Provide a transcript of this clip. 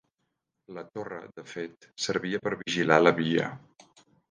La torre, de fet, servia per vigilar la Via.